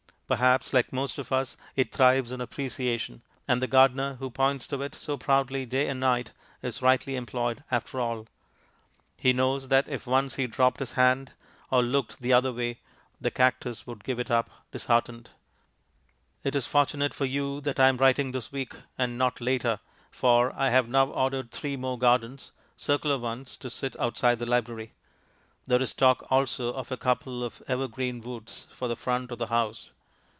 Perhaps, like most of us, it thrives on appreciation, and the gardener, who points to it so proudly day and night, is rightly employed after all. He knows that if once he dropped his hand, or looked the other way, the cactus would give it up disheartened. It is fortunate for you that I am writing this week, and not later, for I have now ordered three more gardens, circular ones, to sit outside the library. There is talk also of a couple of evergreen woods for the front of the house.